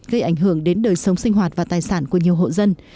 gây ảnh hưởng đến đời sống sinh hoạt và tài sản của nhiều hộ dân